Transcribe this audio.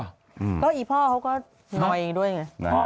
แล้วอีพ่อเขาก็หน่อยด้วยไง